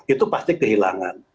itu pasti kehilangan